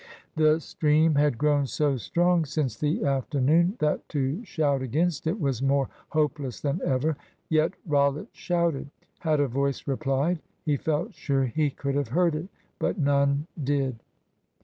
The stream had grown so strong since the afternoon that to shout against it was more hopeless than ever. Yet Rollitt shouted. Had a voice replied, he felt sure he could have heard it. But none did.